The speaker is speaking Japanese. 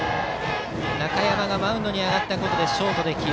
中山がマウンドに上がったことでショートで起用。